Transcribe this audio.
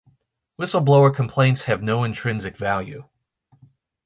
Whistleblower complaints have no intrinsic value.